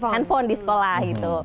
handphone di sekolah